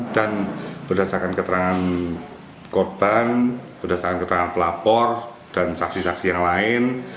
dan berdasarkan keterangan korban berdasarkan keterangan pelapor dan saksi saksi yang lain